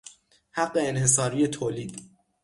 حق انحصاری تولید